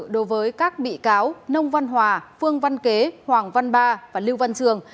đối với các bị cáo nông văn hòa phương văn kế hoàng văn ba và lưu văn trường